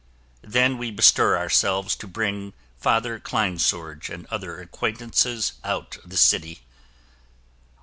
Then we bestir ourselves to bring Father Kleinsorge and other acquaintances out of the city.